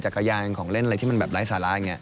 จักรยานของเล่นอะไรที่มันแบบไร้สาระอย่างนี้